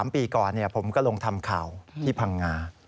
๓ปีก่อนผมก็ลงทำข่าวที่พังงา